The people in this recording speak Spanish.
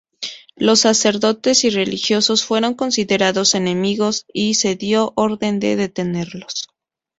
Los sacerdotes y religiosos fueron considerados enemigos y se dio orden de detenerlos.